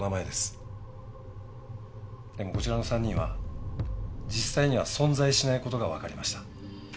でもこちらの３人は実際には存在しない事がわかりました。